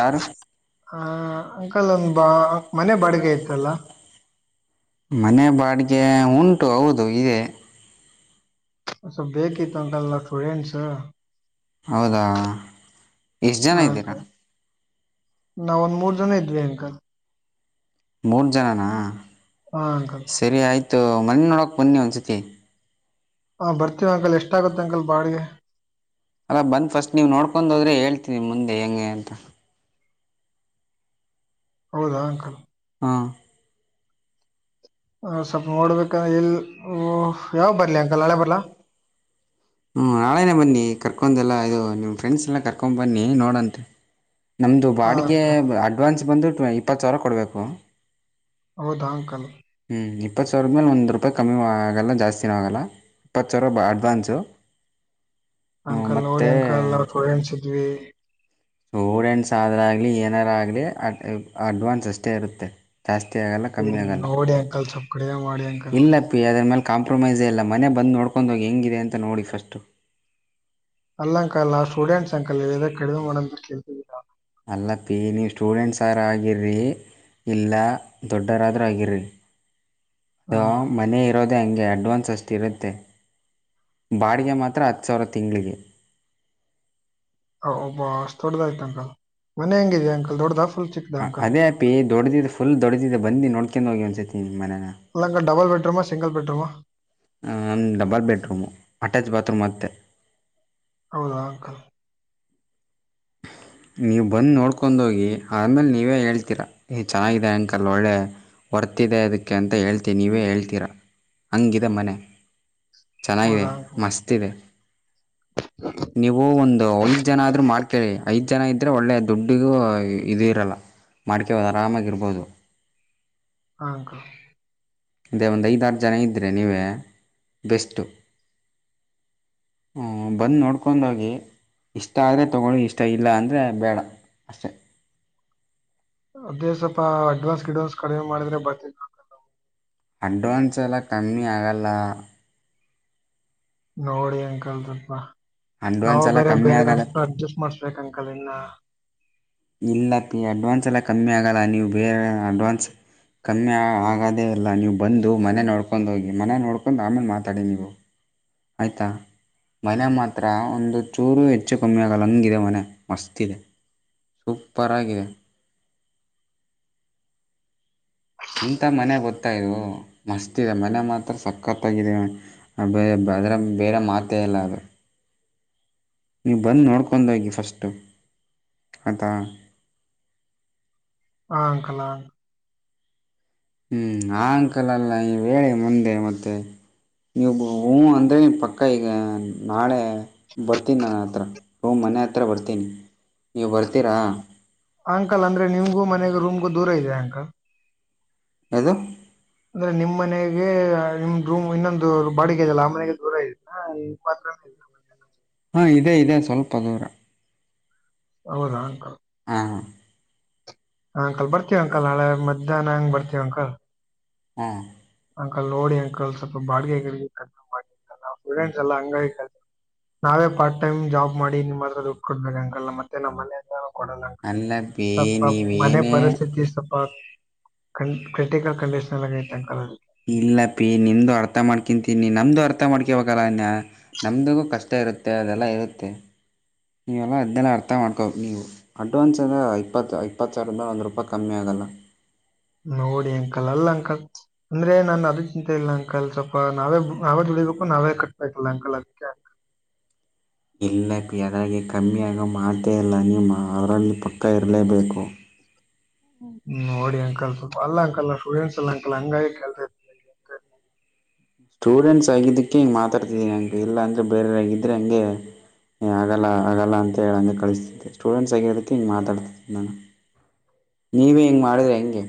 ಯಾರು. ಹ ಅಂಕಲ್ ಒಂದ್ ಬಾ ಮನೆ ಬಾಡಿಗೆ ಇತಲ್ಲ. ಮನೆ ಬಾಡಿಗೆ ಉಂಟು ಹೌದು ಇದೆ. ಸೊ ಬೇಕಿತ್ತು ಅಂಕಲ್ ನಾ ಸ್ಟೂಡೆಂಟ್ಸ್. ಹೌದಾ ಎಷ್ಟ ಜನ ಇದ್ದೀರಾ. ನಾವ ಒಂದ್ ಮೂರ್ ಜನ ಇದ್ವಿ ಅಂಕಲ್. ಮೂರ ಜನನ. ಹಾ ಅಂಕಲ್. ಸರಿ ಆಯಿತು ಮನನೀ ನೋಡೋಕೆ ಬನ್ನಿ ಒಂದ್ಸತಿ. ಹಾ ಬರ್ತೀವಿ ಅಂಕಲ್ ಎಷ್ಟಾಗುತ್ತೆ ಅಂಕಲ್ ಬಾಡ್ಗೆ. ಅಲ್ಲ ಬಂದ ಫಸ್ಟ್ ನೀವು ನೋಡ್ಕೊಂಡ ಹೋದ್ರೆ ಹೇಳ್ತೀನಿ ಮುಂದೆ ಹೆಂಗೆ ಅಂತ. ಹೌದಾ ಅಂಕಲ್. ಹ್ಮ್. ಹ ಸ್ವಲ್ಪ ನೋಡ್ಬೇಕ ಇ ಯಾವ್ಗ ಬರ್ಲಿ ಅಂಕಲ್ ನಾಳೆ ಬರ್ಲಾ. ಹ್ಞೂ ನಾಳೆೇನೆ ಬನ್ನಿ ಕರ್ಕೊಂದೇಲ್ಲ ಇದು ನಿಮ್ಮ ಫ್ರೆಂಡ್ಸ್ ಎಲ್ಲ ಕರ್ಕೊಂಡು ಬನ್ನಿ ನೋಡಂತೆ. ನಮ್ಮದು ಹಾ ಬಾಡಿಗೆ ಅಂಕಲ್ ಅಡ್ವಾನ್ಸ್ ಬಂದು ಟ್ವ ಇಪ್ಪತ್ತು ಸಾವಿರ ಕೊಡಬೇಕು. ಹೌದಾ ಅಂಕಲ್. ಹ್ಞೂ ಇಪ್ಪತ್ತ ಸಾವ್ರದ ಮೇಲೆ ಒಂದು ರೂಪಾಯಿ ಕಮ್ಮಿ ಆಗಲ್ಲ ಜಾಸ್ತಿನು ಆಗಲ್ಲ ಇಪ್ಪತ್ತು ಸಾವ್ರ ಬ ಅಡ್ವಾನ್ಸು. ಅಂಕಲ್ ನೋಡಿ ಮತ್ತು ಅಂಕಲ್ ನಾವ್ ಸ್ಟೂಡೆಂಟ್ಸ್ ಇದ್ವಿ. ಸೂಡೆಂಟ್ಸ್ ಆದರಾಗಲಿ ಏನಾರಾಗಲಿ ಅ ಅಡ್ವಾನ್ಸ್ ಅಷ್ಟೇ ಇರುತ್ತೆ. ಜಾಸ್ತಿ ಆಗಲ್ಲ ಏ, ಕಮ್ಮಿ ಆಗಲ್ಲ ನೋಡಿ ಅಂಕಲ್ ಸ್ವಲ್ಪ ಕಡಿಮೆ ಮಾಡಿ ಅಂಕಲ್ ಇಲ್ಲ ಪಿ ಅದ್ರ ಮೇಲ್ ಕಾಂಪ್ರಮೈಸೇ ಇಲ್ಲ ಮನೆ ಬಂದ ನೋಡ್ಕೊಂಡ ಹೋಗಿ ಹೆಂಗಿದೆ ಅಂತ ನೋಡಿ ಫಸ್ಟು. ಅಲ್ಲ ಅಂಕಲ್ ಆ ಸ್ಟೂಡೆಂಟ್ಸ್ ಅಂಕಲ್ ಕಡಿಮೀ [unintelligible] ಅಲ್ಲ ಪಿ ನೀವು ಸ್ಟೂಡೆಂಟ್ಸ್ರ ಆಗಿರಿ. ಇಲ್ಲ ದೊಡ್ಡರಾದರೂ ಆಗಿರಿ. ಹಾ ಅದೊ ಅಂಕಲ್ ಮನೆ ಇರೋದೆೇ ಹಂಗೆ ಅಡ್ವಾನ್ಸ್ ಅಷ್ಟರುತ್ತೆ. ಬಾಡಿಗೆ ಮಾತ್ರ ಹತ್ತು ಸಾವಿರ ತಿಂಗ್ಳಗೆ. ಹಬ್ಬ ಅಷ್ಟ್ ದೊಡ್ಡದಾಯ್ತ ಅಂಕಲ್ ಮನೆ ಹೇಗಿದೆ ಅಂಕಲ್ ದೊಡ್ಡದಾ ಫುಲ್ ಚಿಕ್ ಹಾಂ ಅದೇ ಅಪಿ ದೊಡ್ದ ಇದೆ ಫುಲ್ ದೊಡ್ದ ಇದೆ ಬನ್ನಿ ನೋಡ್ಕೊಂಡ ಹೋಗಿ ಒನ್ಸತಿ ನಿಮ್ಮ ಮನೇನಾ. ಅಲ್ಲ uncle double bed room single bed room ಹಾ. ಹಾ [unintelligible] ಡಬಲ್ ಬೆಡ್ರೂಮು ಅಟ್ಯಾಚ್ ಬಾತ್ರೂಮ್ ಮತ್ತೆ. ಹೌದಾ ಅಂಕಲ್. ನೀವು ಬಂದ ನೋಡ್ಕೊಂದ್ ಹೋಗಿ ಆಮೇಲ್ ನೀವೇ ಹೇಳ್ತೀರಾ ನೀ ಚೆನ್ನಾಗಿದೆ ಅಂಕಲ್. ಒಳ್ಳೆ ಹೊರ್ತಿದೆ ಅದಕ್ಕೆ ಅಂತ ಹೇಳ್ತೀ ನೀವೇ ಹೇಳ್ತೀರಾ ಹಂಗಿದೆ ಮನೆ. ಚೆನ್ನಾಗಿದೆ ಹೌದಾ ಅಂಕಲ್ ಮಸ್ತ್ ಇದೆ. ನೀವು ಒಂದು ಐದ್ ಜನ ಆದ್ರೂ ಮಾಡ್ಕ್ಯಳ್ಳಿ. ಐದು ಜನ ಇದ್ದರೆ ಒಳ್ಳೆ ದುಡ್ಡಿಗೂ ಇದ ಇರಲ್ಲ ಮಾಡ್ಕ್ಯಬೌದು ಆರಾಮಾಗಿರ್ಬೋದು. ಹಾ ಅಂಕಲ್. ಅದೇ ಒಂದು ಐದಾರು ಜನ ಇದ್ದರೆ ನೀವೇ ಬೆಸ್ಟು. ಹ ಬಂದ್ ನೋಡ್ಕೊಂಡೋಗಿ ಇಷ್ಟ ಆದ್ರೆ ತಗೊಳ್ಳಿ. ಇಷ್ಟ ಇಲ್ಲ ಅಂದ್ರೆ ಬೇಡ ಅಷ್ಟೇ. ಅದೇ ಸ್ವಲ್ಪ ಅಡ್ವಾನ್ಸ್ ಗಿಡ್ವಾನ್ಸ್ ಕಡಿಮೆ ಮಾಡಿದ್ರೆ ಬರ್ತಿನಿ. ಅಡ್ವಾನ್ಸ್ ಎಲ್ಲ ಕಮ್ಮಿ ಆಗಲ್ಲ. ನೋಡಿ ಅಂಕಡ್ರಪ್ಪ ನಾವು ಅಡ್ವಾನ್ಸ್ ಎಲ್ಲ ಬೇರೆ ಕಮ್ಮಿ ಬೆನಫ ಆಗಲ್ಲ ಅಡ್ಜಸ್ಟ್ ಮಾಡ್ಸ್ಬೇಕು ಅಂಕಲ್ ಇನ್ನ. ಇಲ್ಲ ಪಿ ಅಡ್ವಾನ್ಸ್ ಎಲ್ಲ ಕಮ್ಮಿ ಆಗಲ್ಲ ನೀವು ಬೇರೆ ಅಡ್ವಾನ್ಸ್. ಕಮ್ಮಿ ಆಗೋದೇ ಇಲ್ಲ ನೀವು ಬಂದು ಮನೆ ನೋಡ್ಕೊಂಡು ಹೋಗಿ ಮನೆ ನೋಡ್ಕೊಂಡು ಆಮೇಲೆ ಮಾತಾಡಿ ನೀವು. ಆಯ್ತಾ ಮನೆ ಮಾತ್ರ ಒಂದು ಚೂರು ಹೆಚ್ಚು ಕಮ್ಮಿ ಆಗಲ್ಲ ಹಂಗಿದೆ ಮನೆ ಮಸ್ತಿದೆ. ಸೂಪರಾಗಿದೆ. ಇಂಥ ಮನೆ ಗೊತ್ತಾಯಿದು. ಮಸ್ತ ಇದೆ ಮನೆ ಮಾತ್ರ ಸಕ್ಕತ್ತಾಗಿದೆ ಅದ್ರೆ ಬೇರೆ ಮಾತ ಇಲ್ಲ ಅದು. ನೀವು ಬಂದು ನೋಡ್ಕೊಂಡ್ ಹೋಗಿ ಫಸ್ಟು ಆಯ್ತ. ಹ ಅಂಕಲ್ ಅ ಹ್ಮ್ ಆ ಅಂಕಲ್ ಅಲ್ಲ ಇವೇ ಮುಂದೆ ಮತ್ತೆ. ನೀವು ಹ್ಞೂಂ ಅಂದರೆ ಪಕ್ಕ ಈಗ ನಾಳೆ ಬರ್ತೀನಿ ನನ್ನ ಹತ್ರ. ಹ್ಞ ಮನೆ ಹತ್ರ ಬರ್ತೀನಿ ನೀವು ಬರ್ತೀರಾ. ಅಂಕಲ್ ಅಂದ್ರೆ ನಿಮ್ಗೂ ಮನೆಗೊ ರೂಮ್ಗೂ ದೂರ ಇದ್ಯ ಅಂಕಲ್. ಯಾವ್ದು ಅಂದ್ರೆ ನಿಮ್ ಮನೆಗೆ ನಿಮ್ ರೂಮ್ ಇನ್ನೊಂದು ಬಾಡಿಗೆ ಇದಲ್ಲ ಆ ಮನೆಗೆ ದೂರ ಇದೆ. ಹಾ ಈ ಪತ್ರ. ಹಾ ಇದೆ ಇದೆ ಸ್ವಲ್ಪ ದೂರ. ಹೌದಾ ಅಂಕಲ್. ಹಾ ಹಾಂಕಲ್ ಬರ್ತೀವಿ ಅಂಕಲ್ ನಾಳೆ ಮದ್ಯಾನ ಅಂಗ್ ಬರ್ತೀವಿ ಅಂಕಲ್. ಹ್ಮ್ ಅಂಕಲ್ ನೋಡಿ ಅಂಕಲ್ ಸ್ವಲ್ಪ ಬಾಡಿಗೆ ಗಿಡಿಗೆ ಕಮ್ಮಿ ಮಾಡ್ಸಿ ಸ್ಟೂಡೆಂಟ್ಸ್ ಎಲ್ಲ ಹಂಗಾಗಿ. ನಾವೇ ಪಾರ್ಟ್ ಟೈಮ್ ಮಾಡಿ ನಿಮ್ಮತ್ರ ದುಡ್ಡು ಕೊಡ್ಬೇಕ ಅಂಕಲ್ ಮತ್ತೆ ನಮ್ಮ ಮನೆ. ಕೊಡ ಅಲ್ಲ ಪಿ ಸ್ವಲ್ಪ ಮನೆ ನೀವೇನೇ ಪರಿಸ್ಥಿತಿ ಸ್ವಲ್ಪ. ಕ ಕ್ರಿಟಿಕಲ್ ಕಂಡೀಷನಾಗ್ ಐತೆ ಅಂಕಲ್ ಅದು. ಇಲ್ಲ ಪಿ ನಿಮ್ದು ಅರ್ಥ ಮಾಡ್ಕಂತೀನಿ ನಮ್ದು ಅರ್ಥ ಮಾಡ್ಕೊಬೇಕಲ್ಲನ್ನ. ನಮ್ದಿಗೂ ಕಷ್ಟ ಇರುತ್ತೆ ಅದೆಲ್ಲ ಇರುತ್ತೆ ನೀವೆಲ್ಲ ಅದೆನ್ನಲ್ಲ ಅರ್ಥ ಮಾಡ್ಕೋು ಬೇಕ್ ನೀವು. ಅಡ್ವಾನ್ಸ್ ಎಲ್ಲಾ ಇಪ್ಪತ್ತು ಇಪ್ಪತ್ತು ಸಾವಿರದ ಮೇಲ್ ಒಂದು ರೂಪಾಯಿ ಕಮ್ಮಿ ಆಗಲ್ಲ. ನೋಡಿ ಅಂಕಲ್ ಅಲ್ಲ ಅಂಕಲ್. ಅಂದ್ರೆ ನಾನ್ ಅದ ಚಿಂತೆ ಇಲ್ಲ ಅಂಕಲ್ ಸ್ವಲ್ಪ ನಾವೇ ನಾವೇ ದುಡಿಬೇಕು ನಾವೇ ಕಟ್ಬೇಕಲ್ಲ ಅಂಕಲ್ ಅದಿಕ್ಕೆ. ಇಲ್ಲ ಅಪ ಅವುಗೆ ಕಮ್ಮಿಯಗೋ ಮಾತೆ ಇಲ್ಲ ನೀವು ಅದರಲ್ಲಿ ಪಕ್ಕ ಇರಲೇಬೇಕು. ಹ್ಮ್ ನೋಡಿ ಅಂಕಲ್ ಸ್ವಲ್ಪ ಅಲ್ಲ ಅಂಕಲ್ ಸ್ಟೂಡೆಂಟ್ಸ್ ಎಲ್ಲ ಅಂಕಲ್ ಹಂಗಾಗಿ ಕೇಳ್ತ ಇದಿನಿ. ಸ್ಟೂಡೆಂಟ್ಸ್ ಆಗಿದ್ದಕ್ಕೆ ಹಿಂಗೆ ಮಾತಾಡ್ತಿದ್ದೀನಿ ಹಂಗೆ ಇಲ್ಲ ಅಂದರೆ ಬೇರೆೆಯರಾಗಿದ್ದ್ರರೆ ಹಂಗೆ. ಏ ಆಗಲ್ಲ ಆಗಲ್ಲ ಅಂತ ಹೇಳಿ ಅಂಗೆ ಕಳಿಸ್ತಿದ್ದೆ ಸ್ಟೂಡೆಂಟ್ಸ್ ಆಗಿರೋದಕ್ಕೆ ಹಿಗೆ ಮಾತಾಡ್ತಿದಿನಿ ನಾನು. [inaudible] ನೀವೇ ಹಿಂಗ್ ಮಾಡಿದ್ರೆ ಹೆಂಗೆ.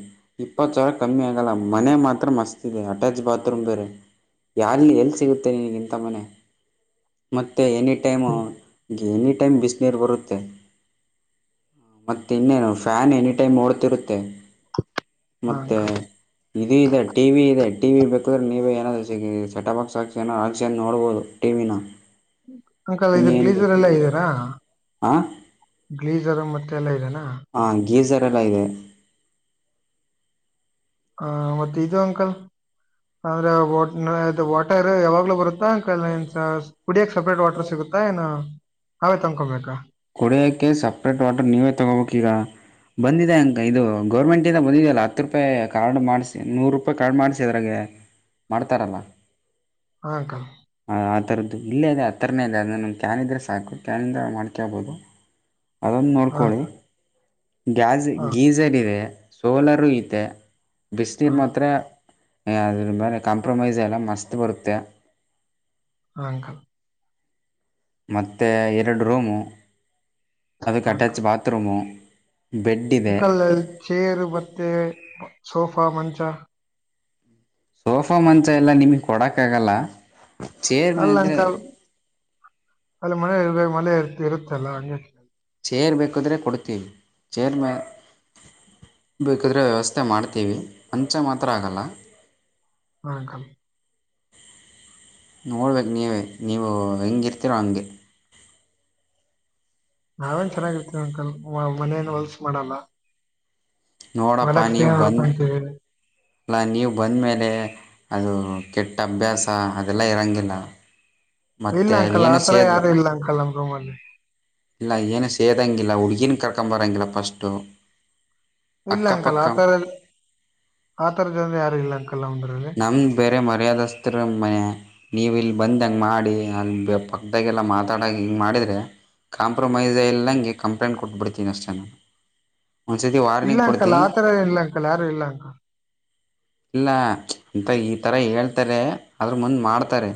ಇಪ್ಪತ್ತು ಸಾವಿರ ಕಮ್ಮಿ ಆಗಲ್ಲ ಮನೆ ಮಾತ್ರ ಮಸ್ತ್ ಇದೆ ಅಟ್ಯಾಚ್ ಬಾತ್ರೂಮ್ ಬೇರೆ. ಯಾರ ಎಲ್ಲಿ ಸಿಗುತ್ತೆ ನಿನಿಗ್ ಇಂತ ಮನೆ. ಮತ್ತು ಎನಿ ಟೈಮು ಎನಿ ಟೈಮ್ ಬಿಸಿನೀರು ಬರುತ್ತೆ. ಮತ್ತ ಇನ್ನೇನು ಫ್ಯಾನ್ ಎನಿ ಟೈಮ್ ಓಡ್ತಿರುತ್ತೆ. ಮತ್ತೆ ಅಂಕಲ್ ಇದು ಇದೆ ಟಿವಿ ಇದೆ ಟಿವಿ ಬೇಕಾದ್ರೆ ನೀವೆ ಏನಾದ್ರೂ. ಸೆಟಾ ಬಾಕ್ಸ್ ಆಕ್ಸ್ಯಾನ ಅಕ್ಸಕೊಂಡ್ ನೋಡ್ಬಹುದು ಟಿವಿನ. ಅಂಕಲ್ ಇನ್ ಇದು ಏನ್ ಗ್ಲೀಸರ್ ಬೇಕು ಎಲ್ಲಾ ಇದ್ದೀನಾ. ಆ ಗ್ಲೀಸರ್ ಮತ್ತೆಲ್ಲ ಇದೆನಾ. ಹಾ ಗೀಜಾರ್ ಎಲ್ಲ ಇದೆ. ಹ ಮತ್ ಇದು ಅಂಕಲ್ ಅಂದ್ರೆ ವಟರ್ ಯಾವಾಗ್ಲೂ ಬರುತ್ ಹಾ ಅಂಕಲ್ ಏನ್ ಕುಡಿಯಕ್ ಸಪ್ರೇಟ್ ವಾಟರ್ ಸಿಗುತ್ತಾ ಏನು ನಾವೇ ತನ್ಕೊಬೇಕಾ. ಕೊಡಿಯೋಕ್ಕೆ ಸಪ್ರೇಟ್ ವಾಟರ್ ನೀವೇ ತೊಗೋಬೇಕೀಗಾ. ಬಂದಿದೆ ಅಂಕ ಇದು ಗೌರ್ಮೆಂಟಿಂದ ಬಂದಿದೆ ಅಲ್ಲ ಹತ್ತು ರೂಪಾಯಿ ಕಾರ್ಡ್ ಮಾಡಿಸಿ ನೂರು ರೂಪಾಯಿ ಕಾರ್ಡ್ ಮಾಡ್ಸಿ ಅದ್ರಾಗ. ಮಾಡ್ತಾರಲ್ಲ. ಹಾ ಅಕಾ. ಆ ತರದು ಇಲ್ಲೇ ಇದೆ ಆತ್ರನೇ ಇದೆ ಅದ ನ ಕ್ಯಾನ್ ಇದ್ರೆ ಸಾಕು ಕ್ಯಾನ್ದ ಮಾಡ ಕ್ಯಾ ಬೊಲೊ ಅವ್ನ್ ಹಾ ನೋಡ್ಕೊಳ್ಳಿ ಗ್ಯಾಸ್ ಹಾ ಗೀಸ್ - ಇದೆ ಸೋಲರ್ ಐತೆ ಬಿಸ್ ಹಾ ನೀಡಿ ಮಾತ್ರ. ಅದ್ರ ಮೇಲೆ ಕಾಂಪ್ರಮೈಸ್ ಇಲ್ಲ ಮಸ್ತ್ ಬರುತ್ತೆ. ಹಾಂಕಲ್ ಮತ್ತೆ ಎರಡ್ ರೂಮು ಅದಕ್ ಹಾ ಅಟ್ಯಾಚ್ ಅಂಕಲ್ ಬಾತ್ರೂಮು ಬೆಡ್ ಇದೆ ಅಂಕಲ್ ಚೇರ್ ಮತ್ತೆ ಸೋಫಾ ಮಂಚ. ಸೋಫಾ ಮಂಚ ಎಲ್ಲಾ ನಿಮಗ್ ಕೊಡಕ್ ಆಗಲ್ಲ. ಅಲ್ಲ ಅಂಕಲ್ ಅಲ್ಲಿ ಮಳೆ ಇರ್ಬೇಕ ಮಳೆ ಇರ್ ಇರುತ್ತ ಅಲ್ಲ ಹಂಗಾಗಿ. ಚೇರ್ ಬೇಕಾದ್ರೆ ಕೊಡ್ತೀವಿ ಚೇರ್ ಮ ಬೇಕಾದ್ರೆ ವ್ಯವಸ್ಥೆ ಮಾಡ್ ತೀವಿ ಮುಂಚ ಮಾತ್ರ ಆಗಲ್ಲ. ಹಾ ಅಂಕಲ್. ನೋಡ್ಬೇಕು ನೀವೆ ನೀವು ಹೆಂಗಿರ್ತೀರೋ ಹಂಗೆ. ನಾವೇನ್ ಚೆನ್ನಾಗಿರ್ತೀವಿ ಅಂಕಲ್ ಮನೇನ್ ಹೊಲ್ಸ ಮಾಡಲ್ಲ. [unintelligible] ನೋಡಪ್ಪ ನೀವು ಬಂದು ನಡ್ಕೊಂತಿವಿ ಅಲ್ಲ ನೀವ್ ಬಂದಮೇಲೆ ಅದು ಕೆಟ್ಟ ಅಭ್ಯಾಸ ಅದೆಲ್ಲ ಇರೋಂಗಿಲ್ಲ. ಇಲ್ಲ ಮತ್ತು ಅಂಕಲ್ ಆ ಏನು ತರ ಸೇದ್ ಯಾರು ಇಲ್ಲ ಅಂಕಲ್ ನಮ್ ರೂಮಲ್ಲಿ. ಇಲ್ಲ ಏನು ಸೇದಂಗಿಲ್ಲ ಹುಡುಗೀನ ಕರ್ಕೊಂಬರೋಂಗಿಲ್ಲ ಫಸ್ಟು. ಇಲ್ಲ ಅಂಕಲ್ ಅಕ್ಕಪಕ್ಕ ಆ ತರ ಆತರ ಜನ ಯಾರು ಇಲ್ಲ ಅಂಕಲ್ ನಮ್ದ್ರಲ್ಲಿ. ನಮ್ಗೆ ಬೇರೆ ಮರ್ಯಾದಸ್ರ ಮನೆ. ನೀವ್ ಇಲ್ ಬಂದ್ ಹಂಗ್ ಮಾಡಿ ಅಲ್ಲಿ ಪಕ್ಕದಾಗೆಲ್ಲ ಮಾತಾಡ ಹಿಂಗೆ ಮಾಡಿದ್ರೆ. ಕಾಂಪ್ರಮೈಸ್ ಆ ಇಲ್ಲಂಗೆ ಕಂಪ್ಲೇಂಟ್ ಕೊಟ್ಬಡ್ತೀನ ಅಷ್ಟೇ ನಾನು. ಒಂದು ಸರ್ತಿ ಇಲ್ಲ ವಾರ್ನಿಂಗ್ ಅಂಕಲ್ ಕೊಡ್ತೀನಿ ಆ ತರ ಇಲ್ಲ ಅಂಕಲ್ ಯಾರು ಇಲ್ಲ ಅಂಕಲ್. ಇಲ್ಲ ಅಂತ ಇತರ ಹೇಳ್ತಾರೆ ಅದ್ರ ಮುಂದೆ ಮಾಡ್ತಾರೆ.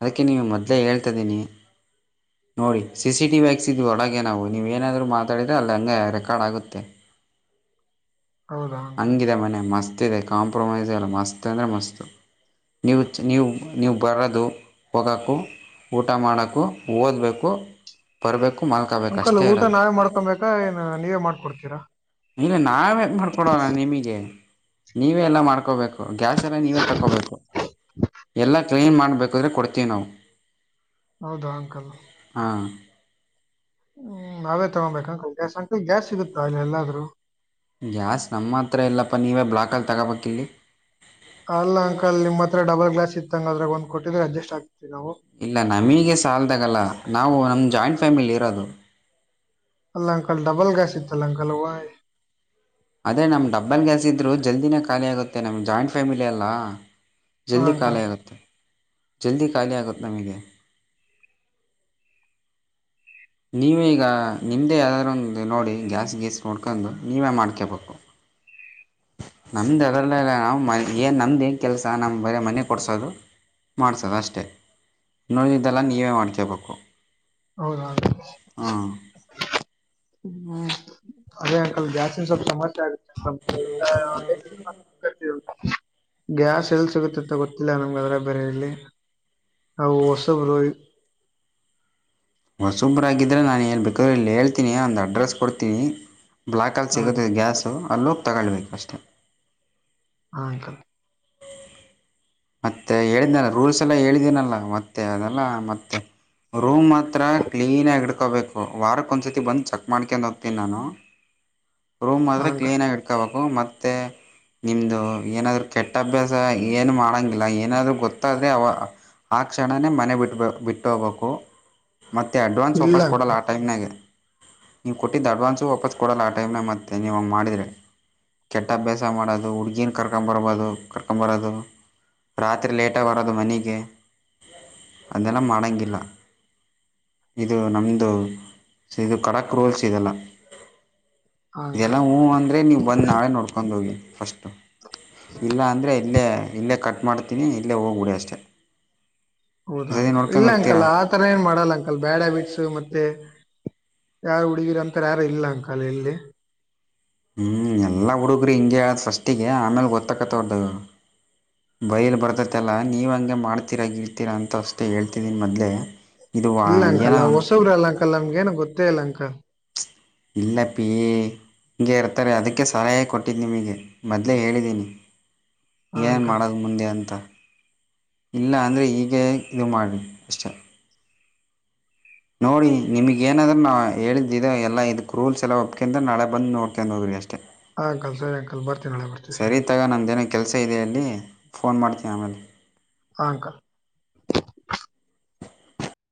ಅದಕ್ಕೆ ನೀಮ್ಗೆ ಮೊದ್ಲೇ ಹೇಳ್ತಾದ್ದೀನಿ. [inaudible] ನೋಡಿ ಸಿ ಸಿ ಟಿ ವಿ ಹ್ಯಕ್ಸಿದ್ವಿ ಒಳಗೇ ನಾವು ನೀವು ಏನಾದ್ರೂ ಮಾತಾಡಿದರೆ ಅಲ್ಲಿ ಹಂಗೆ ರೆಕಾರ್ಡ್ ಆಗುತ್ತೆ. [inaudible] ಹೌದಾ ಅಂಕಲ್ ಹೆಂಗಿದೆ ಮನೆ ಮಸ್ತದೆ ಕಾಂಪ್ರೊಮೈಸ್ ಎಲ್ಲ ಮಸ್ತ್ ಅಂದ್ರೆ ಮಸ್ತು. ನೀವು ನೀವು ನೀವು ಬರೋದು ಹೋಗೋಕು. ಊಟ ಮಾಡೋಕು ಓದಬೇಕು ಬರಬೇಕು ಮಲ್ಕೊಬೇಕು ಅಷ್ಟೇ ಇರೋದು. ಕೊಬೇಕಾ ಏನು ನೀವೇ ಮಾಡ್ಕೊಡ್ತೀರಾ. ಇಲ್ಲ ನಾವೇ ಮಾಡ್ಕೊಡೋಣ ನಿಮಗೆ ನೀವೇ ಎಲ್ಲ ಮಾಡ್ಕೋಬೇಕು. ಗ್ಯಾಸೆಲ್ಲ ನೀವೇ ತಗೋಬೇಕು ಎಲ್ಲ ಕ್ಲೀನ್ ಮಾಡಬೇಕುಾದ್ರೆ ಕೊಡ್ತೀವಿ ನಾವು. ಹೌದಾ ಅಂಕಲ್. ಹಾ ಹ್ಮ್ ನಾವೇ ತಗೊಬೇಕಾ ಗ್ಯಾಸ್ ಅಕ್ಕ ಗ್ಯಾಸ್ ಸಿಗುತ್ತಾ ಇಲ್ಲಿ ಎಲ್ಲಾದ್ರೂ ಗ್ಯಾಸ್ ನಮ್ಮ ಹತ್ರ ಇಲ್ಲಪ್ಪ ನೀವೇ ಬ್ಲಾಕಲ್ಲಿ ತಗೋಬೇಕ ಇಲ್ಲಿ ಅಲ್ಲ ಅಂಕಲ್ ನಿಮ್ಮ ಹತ್ರ ಡಬಲ್ ಗ್ಲಾಸ್ ಇತ್ತಂಗದ್ರಾಗ ಒಂದ್ ಕೊಟ್ಟಿದ್ರೆ ಅಡ್ಜಸ್ಟ್ ಆಗ್ತತಿವಿ ನಾವು. ಇಲ್ಲ ನಮಗೆ ಸಾಲದಾಗಲ್ಲ ನಾವು ನಮ್ಮ ಜಾಯಿಂಟ್ ಫ್ಯಾಮಿಲಿ ಇರೋದು. ಅಲ್ಲ ಅಂಕಲ್ ಡಬಲ್ ಗ್ಯಾಸ್ ಇತ್ತಲ್ಲ ಅಂಕಲ್ ಅದೇ ನಮ್ಮ ಡಬ್ಬಲ್ ಗ್ಯಾಸ್ ಇದ್ರು ಜಲ್ದಿನೇ ಖಾಲಿ ಆಗುತ್ತೆ ನಮ್ಮ ಜಾಯಿಂಟ್ ಫ್ಯಾಮಿಲಿಯಲ್ಲ. ಹಾ ಜಲ್ದಿ ಖಾಲಿ ಅಂಕಲ್ ಆಗುತ್ತೆ ಜಲ್ದಿ ಖಾಲಿ ಆಗುತ್ತೆ ನಮಗೆ ನೀವೀಗ ನಿಮ್ದೇ ಯಾವ್ದಾದಾರರು ಒಂದು ನೋಡಿ ಗ್ಯಾಸ್ ಗೀಸ್ ನೋಡ್ಕೊಂಡು ನೀವೇ ಮಾಡ್ಕೋಬೇಕು. ನಮ್ದು ಅದಲ್ಲ ಇಲ್ಲ ನಾವು ಮ ಏನ್ ನಮ್ದು ಏನ್ ಕೆಲಸ ನಮ್ ಬರ ಮನೆ ಕೊಡ್ಸೋದು ಮಾಡ್ಸೋದ ಅಷ್ಟೆ ನೋಡಿದ್ದೆಲ್ಲ ನೀವೇ ಮಾಡ್ಕೊಬೇಕು. ಹೌದೌ ಹ್ಮ್ ಅದೇ ಅಂಕಲ್ ಗ್ಯಾಸಿನ್ ಸ್ವಲ್ಪ ಸಮಸ್ಯೆ ಆಗೆ [unintelligible] ಗ್ಯಾಸ್ ಎಲ್ಲಿ ಸಿಗುತ್ತೆ ಅಂತ ಗೊತ್ತಿಲ್ಲ ನಮ್ಗೆ ಅದ್ರಾಗ ಬರೆ ಇಲ್ಲಿ ನಾವು ಹೊಸಬರು ಹೊಸುಬ್ರಾಗಿದ್ದರೆ ನಾನಲ್ಲಿ ಬೇಕಾದ್ರೆ ಇಲ್ಲಿ ಹೇಳ್ತೀನಿ ಅಂದು ಅಡ್ರೆಸ್ ಕೊಡ್ತೀನಿ ಬ್ಲಾಕ ಅಲ್ಲಿ ಹಾ ಸಿಗುತ್ತೆ ಅಂಕಲ್ ಗ್ಯಾಸು ಅಲ್ಲೋಗಿ ತೊಗೊಳ್ಳಿ ಅಷ್ಟೇ ಹಾ ಅಂಕಲ್. ಮತ್ತೆ ಹೇಳಿದ್ದನಲ್ಲ ರೂಲ್ಸ್ ಎಲ್ಲ ಹೇಳಿದ್ದೀನಲ್ಲ ಮತ್ತೆ ಅದೆಲ್ಲ ಮತ್ತೆ ರೂಮ್ ಹತ್ರ ಕ್ಲೀನಾಗಿ ಇಡ್ಕೊಬೇಕು ವಾರಕ್ಕ ಒಂದ್ಸರ್ತಿ ಬಂದು ಚೆಕ್ ಮಾಡ್ಕೊಂಡು ಹೋಗ್ತೀನಿ ನಾನು ರೂಮ್ ಮಾತ್ರ ಹಾ ಅಂಕಲ್ ಕ್ಲೀನಾಗಿ ಇಟ್ಕೋಬೇಕು ಮತ್ತ ಮತ್ತ ನಿಮ್ದು ಏನಾದ್ರೂ ಕೆಟ್ಟ ಅಭ್ಯಾಸ ಏನ್ ಮಾಡಂಗಿಲ್ಲ. ಇಲ್ಲ ಏನಾದ್ರು ಗೊತ್ತಾದ್ರೆ ಅವ ಆ ಕ್ಷಣನೇ ಮನೆ ಬಿಟ್ಟಬ ಬಿಟ್ಟ ಹೋಗ್ಬೇಕು. ಮತ್ತೆ ಅಡ್ವಾನ್ಸ್ ಇಲ್ಲ ವಾಪಸ್ ಅಂಕಲ್ ಕೊಡಲ್ಲ ಆ ಟೈಮ್ನಾಗೆ ನೀವು ಕೊಟ್ಟಿದ್ದು ಅಡ್ವಾನ್ಸು ವಾಪಸ್ ಕೊಡಲ್ಲ ಆಟೈಮ್ನ ಮತ್ತು ನೀವು ಹಂಗೆ ಮಾಡಿದ್ರೆ - ಕೆಟ್ಟ ಅಭ್ಯಾಸ ಮಾಡೋದು ಹುಡ್ಗೀನ ಕರ್ಕೊಂಬರ್ಬೋದು ಕರ್ಕೊಂದ ಬರೋದು ರಾತ್ರಿ ಲೇಟಾಗಿ ಬರೋದು ಮನೆಗೆ ಅದೆಲ್ಲ ಮಾಡೋಂಗಿಲ್ಲ ಇದು ನಮ್ಮದು ಇದು ಕಡಕ್ ರೋಲ್ಸ್ ಇದೆಲ್ಲ ಹಾ ಇದೆಲ್ಲಾ ಅಂಕಲ್ ಹೂ ಅಂದ್ರೆ ನೀವು ಬಂದ್ ನಾಳೆ ನೋಡ್ ಕರ್ಕೊಂದ ಹೋಗಿ ಫಸ್ಟು ಇಲ್ಲ ಅಂದರೆ ಇಲ್ಲೇ ಇಲ್ಲೇ ಕಟ್ಟ ಮಾಡ್ತೀನಿ ಇಲ್ಲೇ ಹೋಗಬಿಡಿ ಅಷ್ಟೇ. ಈ ಹೌದಾ ಸರಿ ಅಂಕಲ್ ಇಲ್ಲ ನೋಡ್ಕೊಂಡು ಹೋಗ್ತೀರಾ ಅಂಕಲ್ ಆ ತರ ಏನ್ ಮಾಡಲ್ಲ ಅಂಕಲ್ ಬ್ಯಾಡ್ ಹ್ಯಾಬಿಟ್ಸ್ ಮತ್ತೆ ಯಾರು ಹುಡುಗಿರ ಅಂತಾರೆ ಯಾರು ಇಲ್ಲ ಅಂಕಲ ಇಲ್ಲಿ - ಹೂ ಎಲ್ಲ ಹುಡುಗರು ಹಿಂಗೆ ಹೇಳ್ದ್ ಫಸ್ಟಿಗೆ ಆಮೇಲೆ ಗೊತ್ತಕ್ಕತ್ತ ಅವರ್ದ್ರು ಬೈಯಲಿ ಬರ್ತೈತಲ್ಲ ನೀವು ಹಂಗೆ ಮಾಡ್ತೀರಾ ಗಿಡ್ತೀರಾ ಅಂತ ಅಷ್ಟೇ ಹೇಳ್ತಿದ್ದೀನಿ ಮೊದಲೇ ಇಲ್ಲ ಅಂಕಲ್ ಅವ ಹೊಸಬ್ರ ಅಲ್ಲ ಅಂಕಲ್ ನಮಗೇನು ಗೊತ್ತೇ ಇಲ್ಲ ಅಂಕಲ್. ಇಲ್ಲ ಅಪ್ಪಿ - ಹೀಗೆ ಇರ್ತಾರೆ ಅದಕ್ಕೆ ಸಹಾಯ ಕೊಟ್ಟಿದ್ದು ನಿಮಗೆ ಮೊದಲೇ ಹೇಳಿದ್ದೀನಿ. ಹಾ ಏನ್ ಅಂಕಲ್ ಮಾಡದ್ ಮುಂದೆ ಅಂತ - ಇಲ್ಲ ಅಂದರೆ ಹೀಗೆ ಇದು ಮಾಡಿ ಅಷ್ಟೇ. ನೋಡಿ ನಿಮಗ ಏನಾದ್ರೂ ನಾ ಹೇಳಿದ್ದಿದೆ ಎಲ್ಲ ಇದಕ್ಕೆ ರೂಲ್ಸ್ ಎಲ್ಲ ಒಪ್ಕೊಂಡೆ ನಾಳೆ ಬಂದು ನೋಡ್ಕೊಂಡು ಹೋಗ್ರಿ ಅಷ್ಟೇ. ಹಾ ಅಂಕಲ್ ಸರಿ ಅಂಕಲ್ ಬರ್ತೀವಿ ನಾಳೆ ಬರ್ತೀವಿ. ಇತ್ತಾಗ ನಮ್ದೇನೋ ಕೆಲಸ ಇದೆ ಅಲ್ಲಿ ಫೋನ್ ಮಾಡ್ತೀನಿ ಆಮೇಲೆ ಹಾ ಅಂಕಲ್. [unintelligible]